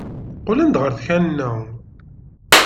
Qqlen-d ɣer tkanna.